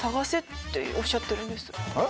えっ？